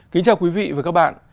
kính chào quý vị và các bạn